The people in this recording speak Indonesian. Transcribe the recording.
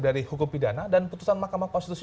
dari hukum pidana dan putusan mahkamah konstitusi